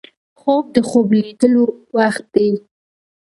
خوب د خوب لیدلو وخت دی